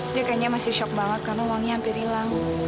dia kayaknya masih shock banget karena uangnya hampir hilang